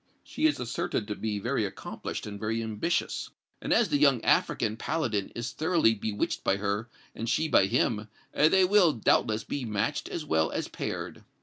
She is asserted to be very accomplished and very ambitious, and, as the young African paladin is thoroughly bewitched by her, and she by him, they will, doubtless, be matched as well as paired."